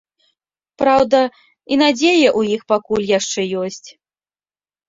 Праўда, і надзея ў іх пакуль яшчэ ёсць.